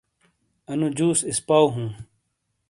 اَنُو جُوس اِسپاؤ ہُوں۔